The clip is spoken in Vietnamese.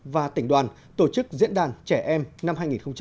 và tỉnh đoàn tổ chức diễn đàn trẻ em năm hai nghìn một mươi chín